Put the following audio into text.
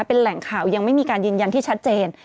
เป็นแหล่งข่าวยังไม่มีการยืนยันที่ชัดเจน